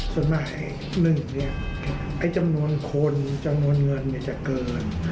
ส่วนใหม่หนึ่งจำนวนคนจำนวนเงินจะเกิน